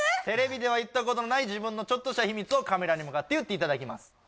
テレビでは言ったことのない自分のちょっとした秘密をカメラに向かって言っていただきます